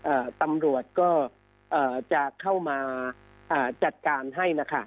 เอ่อตำรวจก็เอ่อจะเข้ามาอ่าจัดการให้นะคะ